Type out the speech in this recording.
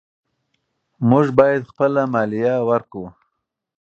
موږ باید خپله مالیه ورکړو.